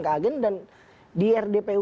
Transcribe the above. ke agen dan di rdpu